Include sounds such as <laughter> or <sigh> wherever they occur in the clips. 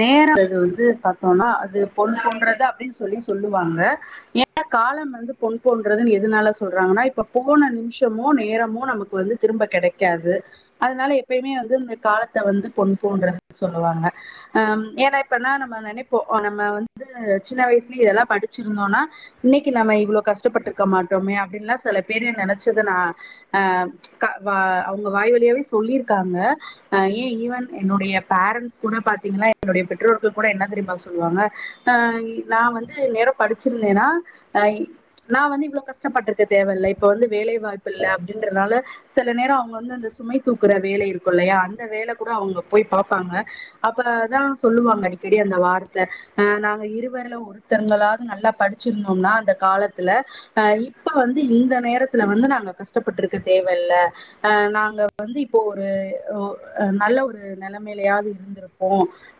நேரம் <unintelligible> வந்து பாத்தோன்னா அது பொன் போன்றது அப்புடின்னு சொல்லி சொல்லுவாங்க ஏன்னா காலம் வந்து பொன் போன்றதுன்னு எதுனால சொல்றாங்கன்னா இப்ப போன நிமிஷமோ நேரமோ நமக்கு வந்து திரும்ப கெடைக்காது அதனால எப்பையுமே வந்து இந்த காலத்த வந்து பொன் போன்றதுன்னு சொல்லுவாங்க அ ம் ஏன்னா இப்பன்னா நம்ம நெனைப்போம் ஒ நம்ம வந்து சின்ன வயசுலயே எல்லாம் படிச்சிருந்தோன்னா இன்னைக்கி நம்ம இவ்வுளோ கஷ்டப்பட்ருக்க மாட்டோமே அப்புடின்ல்லா சில பேரே நெனைச்சது நா அ க வா அவங்க வாய் வழியாவே சொல்லிருக்காங்க அ ஏன் ஈவன் என்னுடைய பேரன்ட்ஸ் கூட பாத் த்திகன்னா என்னுடைய பெற்றோர்கள் கூட என்ன தெரியுமா சொல்லுவாங்க ஆ இ நான் வந்து இந்நேரம் படிச்சிருந்தேன்னா ஆ ய் நான் வந்து இவ்ளோ கஷ்டப்பட்ருக்க தேவையில்லை இப்போ வந்து வேலை வாய்ப்பு இல்ல அப்டின்றதுனால செல நேர அவ்ங்க வந்து அந்த சுமை தூக்குற வேலை இருக்கு இல்லையா அந்த வேல கூட அவ்ங்க போய் பாப்பாங்க அப்பதா சொல்லுவாங்க அடிக்கடி அந்த வார்த்த அ நாங்க இருவர்ல ஒரு த்தங்களாவ்து நல்லா படிச்சிருந்தோம்னா அந்த காலத்துல அ இப்ப வந்து இந்த நேரத்துல வந்து நாங்க கஷ்டப்பட்ருக்க தேவ இல்ல அ நாங்க வந்து இப்போ ஒரு ஒ அ நல்ல ஒரு நெலைமைலயாது இருந்திருப் போ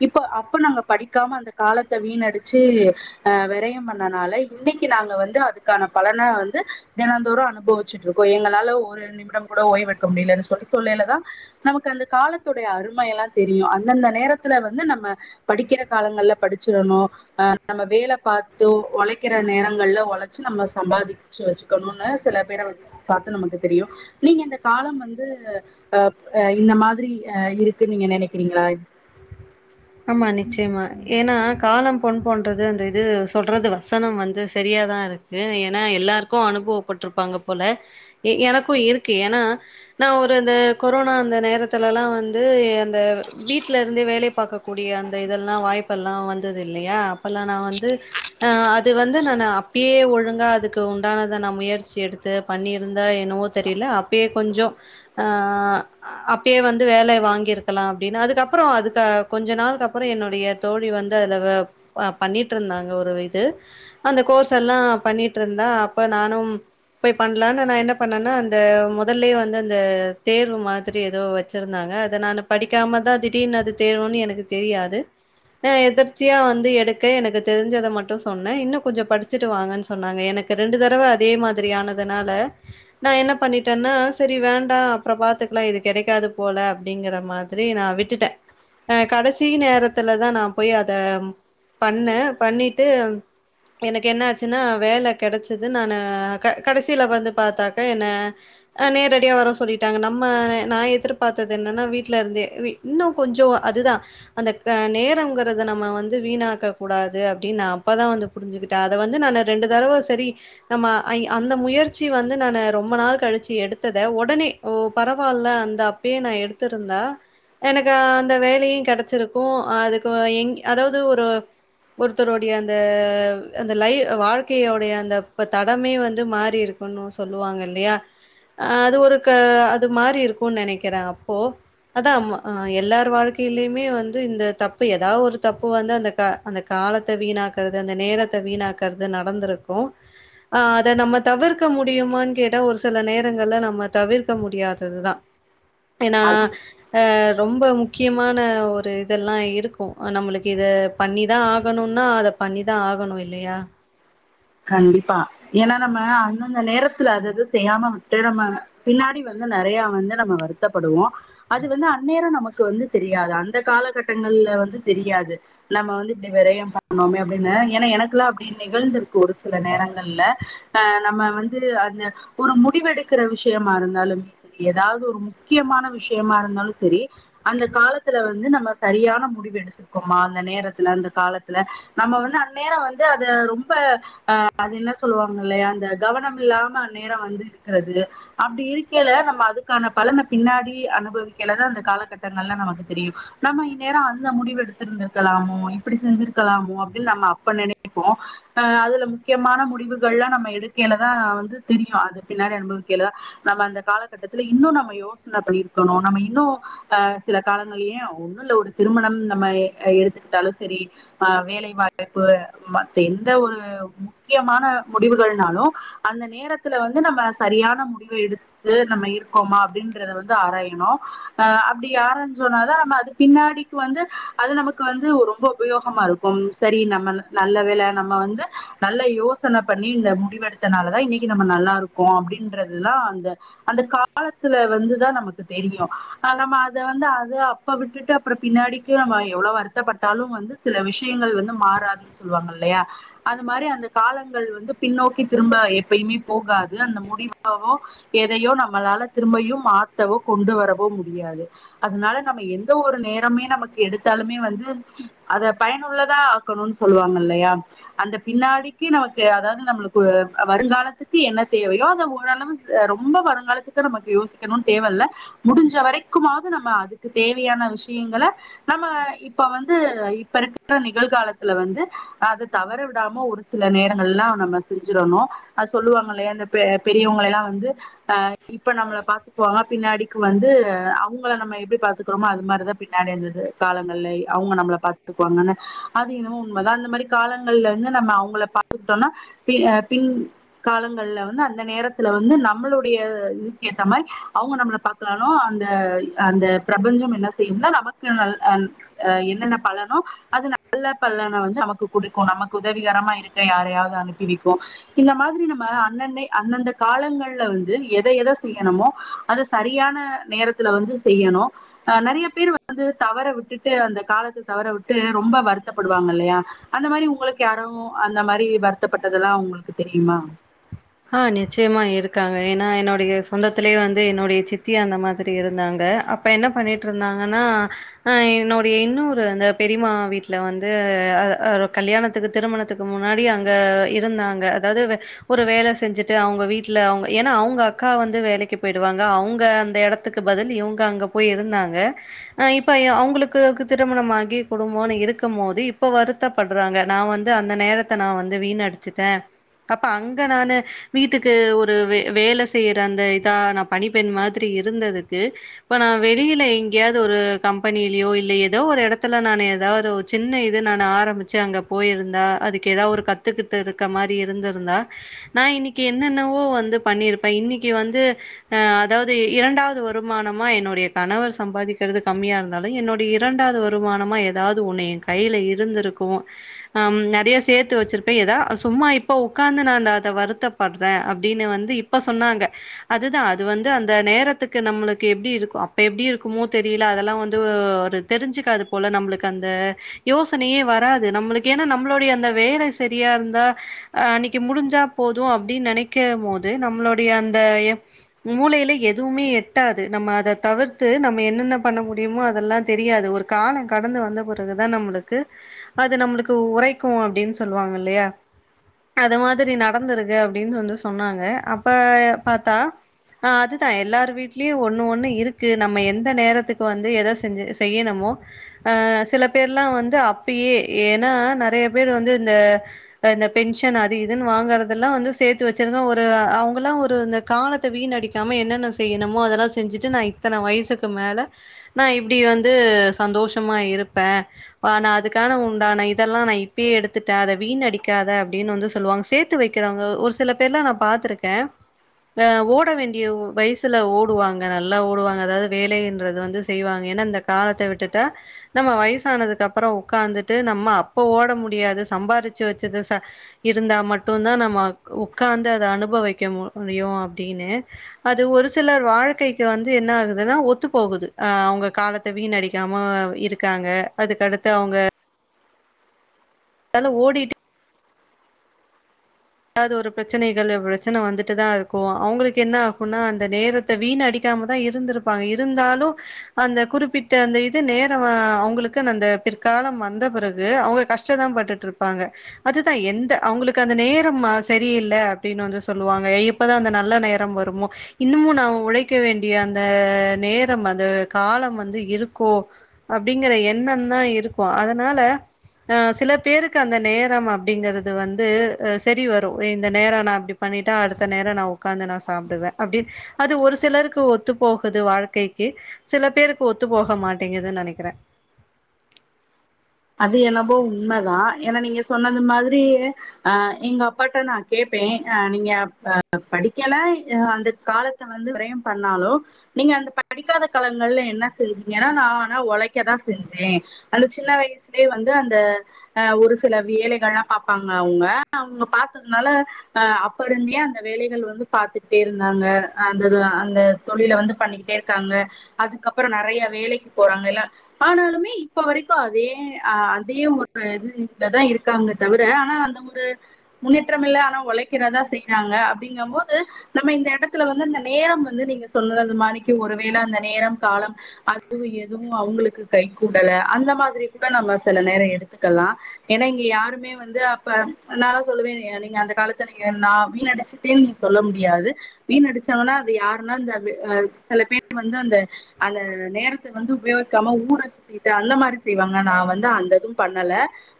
இப்ப அப்ப நாங்க படிக்காம அந்த காலத்த வீணடிச்சு அ வெரய பண்ணனால இன்னைக்கு நாங்க வந்து அதுக்கான பலன வந்து தெனந்தோறு அனுபவிச்சிட்ருக்கோ எங்களால ஒரு நிமிடம் கூட ஓய்வெடுக்க முடியலனு சொல்லி சொல்லைலதா நமக்கு அந்த காலத்துடைய அருமைையெல்லா தெரியு அந்தந்த நேரத்துல வந்து நம்ம படிக்கிற காலங்கள்ல படிச்சிறணு அ நம்ம வேல பாத்து ஒழைக்கிற நேரங்கள்ல ஒழச்சு நம்ம சம்பாதிக் ச்சு வச்சுக்கணுனு சில பேர பாத்து நமக்கு தெரியு நீங்க இந்த காலம் வந்து அப் அ இந்த மாதிரி அ இருக்குன் நீங்க நெனைக்கிறீங்களா ஆமா நிச்சயமா ஏனா காலம் பொன் போன்றது அந்த இது சொல்றது வசனம் வந்து செரியாதா இருக்கு ஏனா எல்லாருக்கு அனுபவப்பட்ருப்பாங்க போல எ எனக்கு இருக்கு ஏனா நா ஒரு அந்த கொரோனா அந்த நேரத்துலலா வந்து அந்த வீட்ல இருந்தே வேலைய பாக்கக் கூடிய அந்த இதெல்லா வாய்ப்பெல்லா வந்தது இல்லையா அப்பலா நா வந்து ஆ அது வந்து நானு அப்பயே ஒழுங்கா அதுக்கு உண்டானத நா முயற்சி எடுத்து பண்ணிருந்தா என்னவோ தெரியல அப்பயே கொஞ்ச ஆ அ அப்பயே வந்து வேலைய வாங்கிருக்கலா அப்டின்னு அதுக்கப்றோ அதுக்கா கொஞ்ச நாளுக்கு அப்பற என்னுடைய தோழி வந்து அதுல வே ஆ பண்ணிட்ருந்தாங்க ஒரு இது அந்த கோர்ஸெல்லா பண்ணிட்ருந்தா அப்ப நானும் போய் பண்லானு நா என்ன பண்ணேனா அந்த மொதல்லயே வந்து அந்த தேர்வு மாதிரி எதோ வச் ச்சிருந்தாங்க அத நானு படிக்காம தா திடீர்னு அது தேர்வுன்னு எனக்கு தெரியாது அ எதிர்ச்சியா வந்து எடுக்க எனக்கு தெரிஞ்சத மட்டு சொன்னே இன்னு கொஞ்ச படிச்சுட்டு வாங்கன் சொன்னாங்க எனக்கு அ ரெண்டு தடவ அதே மாதிரியானதுனால நா என்ன பண்ணிட்டேன்னா சேரி வேண்டா அப்பற பாத்துக்கலா இது கெடைக்காது போல அப்டிங்கிற மாதி திரி நா விட்டுட்டே அ கடைசி நேரத்துலதா நா போய் அத பண்ணே பண்ணிட்டு எனக்கு என்ன ஆச்சுனா வேல கெடச்சது நானு க கடைசில வந்து பாத்தாக்கா என்ன அ நேரடியா வர சொல்லிட்டாங்க நம்ம நா எதிர்பாத்தது என்னன்னா வீட்லருந்தே வீ இன்னு கொஞ்ச அதுதா அந்த க நேரங்கிறத நம்ம வந்து வீணாக்க கூடாது அப்டின் நா அப்பதா வந்து புரிஞ்சுக்கிட்டே அத வந்து நானு ரெண்டு தடவ செரி நம்ம ஐ அந்த முயற்சி வந்து நானு ரொம்ப நாள் கழிச்சு எடுத்ததா ஒடனே ஓ பரவால்ல அந்த அப்பயே நா எடுத்திருந்தா எனக்கு அந் ந்த வேலையு கெடைச்சிருக்கு அதுக்கு வ எங் அதாவ்து ஒரு ஒருத்தருடைய அந்த அந்த லை வாழ்க்கையோடைய அந்த இப்ப தடமே வந்து மாறிருக் குன்னு சொல்லுவாங்க இல்லையா அ அது ஒரு க அது மாறி இருக்கு நெனைக்கிறே அப்போ அதா ம் ஆ எல்லார் ரு வாழ்க்கையிலயுமே வந்து இந்த தப்பு எதா ஒரு தப்பு வந்து அந்த க அந்த காலத்த வீணாக்கறது அந்த நேரத்த வீணாக்கறது நடந்திருக்கு ஆ அத நம்ம தவிர்க்க முடியுமான் கேட்டா ஒரு சில நேரங்கள்ல நம்ம தவிர்க்க முடியாததுதா ஏனா அது அ ரொம்ப முக் க்கியமான ஒரு இதெல்லா இருக்கு அ நம்மளுக்கு இத பண்ணி தா ஆகணுன்னா அத பண்ணிதா ஆகணு இல்லையா கண்டிப்பா ஏன்னா நம்ம அந்தந்த நேரத்துல அதது செய்யாம விட்டு நம்ம பின்னாடி வந்து நறைய வந்து நம்ம வருத்தப்படுவோ அது வந்து அந்நேரொ நமக் கு வந்து தெரியாது அந்த காலகட்டங்கள்ல வந்து தெரியாது நம்ம வந்து இப்டி விரையம் பண்ணோமே அப்டின்னு ஏன்னா எனக்குல்லா அப்டி நிகழ்ந்துரு கு ஒரு சில நேரங்கள்ல ஆ நம்ம வந்து அந்த ஒரு முடிவெடுக்குற விஷயமா இருந்தாலுமே ஏதாவ்து ஒரு முக்கியமான விஷயமா இருந்தாலு செரி அந்த காலத்துல வந்து நம்ம சரியான முடிவு எடு கோமா அந்த நேரத்துல அந்த காலத்துல நம்ம வந்து அந்நேரொ வந்து அத ரொம் ப அ அது என்ன சொல்லுவாங்கல்லையா அந்த கவனம் இல்லாம நேரொ வந்து இருக்குறது அப்டி இருக்கயில நம்ம அதுக்கான பலன பின்னாடி அனுபவிக்கெலனா அந்த காலகட்டங்கள்ல நமக்கு தெரியு நம்ம இந்நேரொ அந்த முடிவு எடுத்திருந்ருக்கலாமோ இப்டி செஞ்சிருக்கலாமோ அப்டின் நம்ம அப்ப நெனைப்போ ஆ அதுல முக்கியமான முடிவுகள் லா நம்ம எடுக்கயிலதா வந்து தெரியு அது பின்னாடி அனுபவிக்கல நம்ம அந்த காலக்கட்டத்துல இன்னு நம்ம யோசன பண்ணிர்க்கணு நம்ம இன்னு ஆ சில காலங்கள் ஏ ஒன்னு இல்ல ஒரு திருமணம் நம்ம எ எடுத்துக்கிட்டாலு செரி ஆ வேலைவாய்ப்பு மத்த எந்த ஒரு முக்கியமான முடிவுகள்னாலு அந்த நேரத்துல வந்து நம்ம சரியான முடிவ எடு த்து நம்ம இருக்கோமா அப்டின்றத வந்து ஆராயணு ஆ அப்டி யா ஆராய்ஞானோதா நம்ம அது பின்னாடிக்கு வந்து அது நமக்கு வந்து ரொம்ப உபயோகமா இரு க்கும் சரி நம்ம நல்ல வேல நம்ம வந்து நல்ல யோசன பண்ணி இந்த முடிவெடுத்தனால தா இன்னக்கி நம்ம நல்லா இரு க்கோ அப்டின்றதுல்லா அந்த அந்த காலத்துல வந்துதா நமக்கு தெரியு அ நம்ம அத வந்து அத அப்ப விட்டுட்டு அப்றொ பின்னாடிக்கு நம்ம எவ்ளோ வருத்தப்பட்டாலு வந்து சில விஷயங்கள் வந்து மாறாது சொல்லுவாங்கல்லையா அது மாரி அந்த காலங்கள் வந்து பின்னோக்கி திரும்ப எப்பய்மே போகாது அந்த முடிவவோ எதையோ நம்மளால திரும்பையும் மாத்தவோ கொண்டு வரவோ முடியாது அதுனால நம்ம எந்த ஒரு நேரமே நமக்கு எடுத்தாலுமே வந்து அதப் பயனுள்ளதா ஆக்கணூன் சொல்வாங்க இல்லையா அந்த பின்னாடிக்கி நமக்கு அதாவ்து நம்மளுக்கு வருங்காலத்துக்கு என்ன தேவையோ அத ஓரளவு ரொம்ப வருங்காலத்துக்கு நமக்கு யோசிக்கணூன் தேவயில்ல முடிஞ்ச வரைக்குமாவ்து நம்ம அதுக்கு தேவையான விஷயங்கள நம்ம இப்ப வந்து இப்ப இருக்குற நிகழ்காலத்துல வந்து அது தவற விடாம ஒரு சில நேரங்கள்லா நம்ம செஞ்சிறணு அது சொல்லுவாங்கல்லையா அந்த பெ பெரியவங்களயெல்லா வந்து ஆ இப்ப நம்ள பாத்துக்குவாங்க பின்னாடிக்கு வந்து அவுங்கள நம்ம எப்டி பாத்துக்குறோமோ அது மாரிதா பின்னாடி இந்த இது காலங்களே அவ்ங்க நம்மள பாத்துக்குவாங்கன்னு அது என்னமோ உண்மதா அந்த மாரி காலங்கள்ல வந்து நம்ம அவ்ங்கள பாத்துக்குட்டோம்னா பி ஆ பின் காலங்கள்ல வந்து அந்த நேரத்துல வந்து நம்மளுடைய இதுக்கேத்தா மாரி அவ்ங்க நம்ள பா த்தாலு அந்த அந்த பிரபஞ்சம் என்னா செய்யும்னா நமக்கு ந அ ஆ என்னென்ன பலனோ அது நல்ல பலன வந்து நமக்கு குடுக்கு நமக்கு உதவிகரமா இருக்க யாரையாவ்து அனுப்பி விக்கு இந்த மாதிரி நம்ம அன்னன்னை அந்தந்த காலங்கள்ல வந்து எத எத செய்யணுமோ அத சரியான நேரத்துல வந்து செய்யணு அ நெறய பேர் வந்து தவற விட்டுட்டு அந்த காலத்து தவற விட்டு ரொம்ப வருத்தப்படுவாங்க இல்லையா அந்த மாரி உங்களுக்கு யாரு அந்த மாரி வருத்தப்பட்டதெல்லா உங்களுக்கு தெரியுமா ஆ நிச்சயமா இருக்காங்க ஏனா என்னுடைய சொந்தத்திலயே வந் து என்னுடைய சித்தி அந்த மாதிரி இருந்தாங்க அப்ப என்ன பண்ணிட்டு இருந்தாங்கனா ஆ என்னுடைய இன்னொரு அந்த பெரியமா வீட்ல வந்து அ கல்யாணத் துக்கு திருமணத்துக்கு முன்னாடி அங்க இருந்தாங்க அதாது ஒரு வேல செய் செஞ்சுட்டு அவங்க வீட்ல அவங்க ஏனா அவங்க அக்கா வந்து வேலைக்கு போயிடுவாங்க அவங்க அந்த எடத்துக்கு பதில் இவங்க அங்க போய் இருந்தாங்க ஆ இப்ப அவங்களுக்கு திருமணமாகி குடும்போனு இருக்கும் போது இப்ப வருத் த படுறாங்க நா வந்து அந்த நேரத்த நா வந்து வீண் அடிச்சுட்ட அப்ப அங்க நானு வீட்டுக்கு ஒரு வே வேல செய்ற அந்த இதா நா பணிப்பெண் மாதிரி இருந்ததுக்கு இப்ப நா வெளியில எங்கேயாவது ஒரு கம்பெனிலயோ இல்ல ஏதோ ஒரு எடத்துல நானு ஏதா ஒரு சின்ன இது நான ஆரம்பிச்சு அங்க போயிருந்தா அதுக்கு ஏதா ஒரு கத்துக்கிட்டு இருக்க மாரி இருந்துருந்தா நா இன்னிக்கு என்னென்னவோ வந்து பண்ணிருப்ப இன்னிக்கி வந்து அ அதாவது இரண்டாவது வருமானமா என்னுடைய கணவர் சம்பாதிக்கிறது கம்மியா இருந் இருந்தாலு என்னுடைய இரண்டாவது வருமானமா ஏதாது உன்னு என் கையில இருந்திருக்கு ஆ நெறைய சேத்து வச்சிருப்பே ஏதா சும்மா இப்ப உக்காந்து நானு வருத்தப்படுற அப்டினு வந்து இப்ப சொன்னாங்க அதுதா அது வந்து அந்த நேரத்துக்கு நம்மளுக்கு எப்டி இருக்கு அப்ப எப்டி இருக்குமோ தெரில அதெல்லா வந்து ஒரு தெரிஞ்சுக்காது போல நம்பளுக்கு அந்த யோசனையே வராது நம்மளுக்கு ஏனா நம்மளுடைய அந்த வேல சரியா இருந்தா அன்னைக்கு முடிஞ்சா போது அப்டின் நெனைக்க போது நம்ளுடைய அந்த எ மூளையில எதுவுமே எட்டாது நம்ம அத தவிர்த்து நம்ம என்னென்ன பண்ண முடியுமோ அதெல்லா தெரியாது ஒரு காலங்கடந்து வந்த பெறகுதா நம்பளுக்கு அது நம்மளுக்கு உரைக்கு அப்டின் சொல்லுவாங்க இல்லையா அது மாதிரி நா நடந்தருக்கு அப்படின் வந்து சொன்னாங்க அப்ப பாத்தா ஆ அதுதா எல்லார் வீட்லயு ஒண்ணு ஒண்ணு இருக்கு நம்ம எந்த நேரத்துக்கு வந்து எத செஞ்சு செய்யணுமோ சில பேர்லா வந்து அப்பயே ஏனா நெறைய பேர் வந்து இந்த இந்த பென்ஷன் அது இதுன் வாங்கறத் அதெல்லா வந்து சேத்து வச்சருங்க ஒரு அவங்கலா ஒரு இந்த காலத்த வீணடிக்காம என்னென்ன செய்யணுமோ அதெல்லா செஞ்சுட்டு நா இத்தன வயசுக்கு மேல நா இப்டி வந்து சந்தோஷமா இருப்ப நா அதுக்கான உண்டான இதெல்லா நா இப்பயே எடுத்துட்ட அத வீண் அடிக்காத அப்டின் வந்து சொல்லுவாங்க சேத் து வைக்கிறவங்க ஒரு சில பேர்லா நா பாத்திருக்க அ ஓட வேண்டிய வயசுல ஓடுவாங்க நல்லா ஓடுவாங்க அதாது வேலைன்றது வந்து செய்வாங்க ஏன்னா இந்த காலத்த விட்டுட்டா நம்ம வயசானதுக்கு அப்புற உக்காந்துட்டு நம்ம அப்ப ஓட முடியாது சம்பாதிச்சு வச்சது ச இருந்தா மட்டுந்தா நம்ம உக்காந்து அத அனுபவிக்க முடியு அப்டின்னு அது ஒரு சிலர் வாழ்க்கைக்கு வந்து என்ன ஆகுதுனா ஒத்து போகுது அ அவங்க காலத்து த வீணடிக்காம இருக்காங்க அதுக்கடுத்து அவுங்க அதனால ஓடிட்டே ஏதாது ஒரு பிரச்சனைகள் பிரச்சனை வந்துட்டு தா இருக்கு அவங்களுக்கு என்ன ஆகுனா அந்த நேரத் த வீண் அடிக்காமதா இருந்திருப்பாங்க இருந்தாலு அந்த குறிப்பிட்ட அந்த இது நேர அவங்களுக்கு அந்த பிற்காலம் வந்த பிறகு அவங்க கஷ்டந்தா பட்டுட் டு இருப்பாங்க அதுதா எந்த அவங்களுக்கு அந்த நே ரம் சரியில அப்டினு வந்து சொல்லுவாங்க இப்பதா அந்த நல்ல நேரம் வருமோ இன்னுமு நா உழைக்க வேண்டிய அந்த நேரம் அது காலம் வந்து இருக்கோ அப்டிங்கற எண்ணந்தா இருக்கும் அதனால அ சில பேருக்கு அந்த நேரம் அப்டிங்கறது வந்து அ சரி வரும் இந்த நேரம் நா அப்டி பண்ணிட்டா அடுத்த நேரோ நா உக்காந்து நா சாப்புடுவே அப்டின்னு அது ஒரு சிலருக்கு ஒத்து போகுது வாழ்க்கைக்கு சில பேருக்கு ஒத்து போக மாட்டேங்குன்னு நெனைக்கறே அது என்னவோ உண்மைதா ஏன்னா நீங்க சொன்னது மாதிரி அ எங்க அப்பாட்ட நா கேப்பே அ நீங்க அ படிக்கல அ அந்த காலத்து வந்து விரயோ பண்ணாலோ நீங்க அந்த படிக்காத காலங்கள்ல என்ன செஞ்சீங்கன்னா நா ஆனா உழைக்க தா செஞ்சே அந்த சின்ன வயசுலே வந்து அந்த அ ஒரு சில வேலைகள்லா பாப்பாங்க அவங்க அவுங்க பாத்ததுனால அ அப்ப இருந்தே அந்த வேலைகள் வந்து பாத்துட்டே இருந்தாங்க அந்தது அந்த தொழில வந்து பண்ணிக்கிட்டே இருக்காங்க அதுக்கப்றோ நிறைய வேலைக்கு போறாங்கல்ல ஆனாலுமே இப்ப வரைக்கும் அதே ஆ அதே ஒரு இது இதுலதா இருக்காங்க தவிர ஆனா அந்த ஒரு முன்னேற்றமில்ல ஆனா உழைக்கிறதா செய்றாங்க அப்டிங்க போது நம்ம இந்த எடத்துல வந்து அந்த நேரம் வந்து நீங்க சொல்றது மாறிக்கு ஒருவேளை அந்த நேரம் காலம் அதுவு எதுவு அவங்களுக்கு கை கூடல அந்த மாதிரி கூட நம்ம சில நேரம் எடுத்துக்கலா ஏன்னா இங்க யாருமே வந்து அப்ப நால்லா சொல்லுவே நீங்க அந்த காலத்த நீங்க நா வீனடிச் சேன்னு நீ சொல்ல முடியாது வீன் அடிச்சாங்கன்னா அது யாருன்னா இந்த சில பேர் வந்து அந்த அந்த நேரத்த வந்து உபயோகிக்காம ஊற சுத்திட்டு அந்த மாறி செய்வாங் ஆனா நா வந்து அந்த இதும் பண்ணல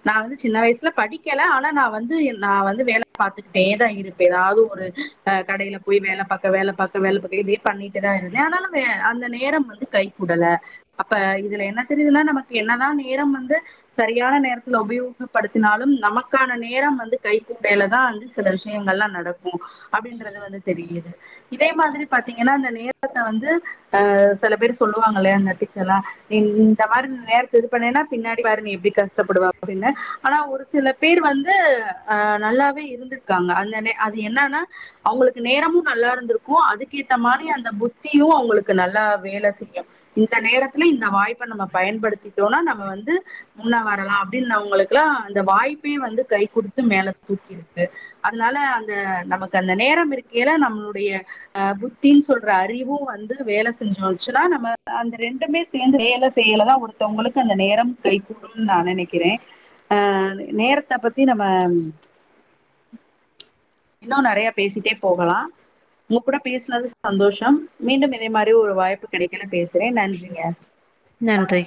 நா வந்து சின்ன வயசுல படிக்கல ஆனா நா வந்து நா வந்து வேலை பாத்துக்கிட்டேதா இருப்ப ஏதாவது ஒரு அ கடையில போயி வேலை பாக்க வேலை பாக்க வேலை பாக்க இப்டியே பண்ணிட்டுதா இருந்தே ஆனாலு அந்த அந்த நேரம் வந்து கைக் குடல அப்ப இதுல என்ன தெரியுதுன்னா நமக்கு என்னதா நேரம் வந்து சரியான நேரத்துல உபயோகப்படுத்தினாலும் நமக்கான நேரம் வந்து கைக்கூடையிலதா வந்து சில விஷயங்கள்லா நடக்கும் அப்டின்றது வந்து தெரியுது இதே மாதிரி பாத்தீங்கன்னா அந்த நேரத்தை வந்து அ சில பேரு சொல்லுவாங்க இல்லயா அந்த எத்திக்ஸ் எல்லா இந் இந்த மாறி நேரத்திரு மிஸ் பண்ணயினா பின்னாடி பாரு நீ எப்டி கஷ்டப்படுவ அப்டின்னு ஆனா ஒரு சில பேர் வந்து அ நல்லாவே இருந்துருக்காங்க அந்த அது என்னான்னா அவங்களுக்கு நேரமு நல்லா இருந்திருக்கும் அதுக்கேத்த மாறி அந்த புத்தியு அவங்களுக்கு நல்லா வேல செய்யு இந்த நேரத்துல இந்த வாய்ப்ப நம்ம பயன்படுத்திட்டோன்னா நம்ம வந்து முன்ன வரலா அப்டின்னவங்களுக்லா அந்த வாய்ப்பே வந்து கை குடுத்து மேல தூக்கி இருக் க்கு அதனால அந்த நமக்கு அந்த நேரம் இருக்கையில நம்மளுடைய அ புத்தின்னு சொல்ற அறிவும் வந்து வேல செஞ்சோச்சுன்னா நம்ம அந்த ரெண்டுமே சேந்து வேல செய்யிலதா ஒருத்தவங்களுக்கு அந்த நேரம் கை கூடும்னு நா நெனைக்கிறே அ நேரத்த பத்தி நம்ம இன்னும் நெறையா பேசிட்டே போகலா உங்க கூட பேசுனது சந்தோஷம் மீண்டும் இதே மாறி ஒரு வாய்ப்பு கிடைக்கயில பேசுறே நன்றிங்க நன்றி